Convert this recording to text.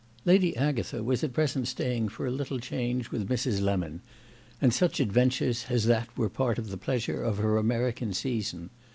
Lady Agatha was at present staying for a little change with Mrs. Lemon, and such adventures as that were part of the pleasure of her American season.